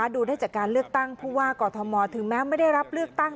ดูได้จากการเลือกตั้งผู้ว่ากอทมถึงแม้ไม่ได้รับเลือกตั้ง